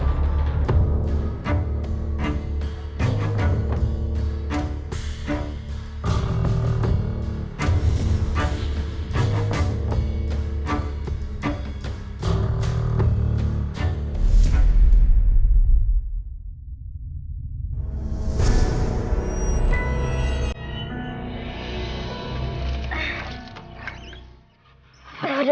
aduh nak w principi